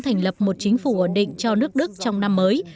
thành lập một chính phủ ổn định cho nước đức trong năm mới